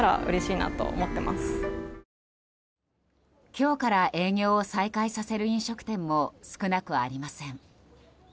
今日から営業を再開させる飲食店も少なくありません。